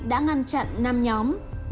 đã ngăn chặn năm nhóm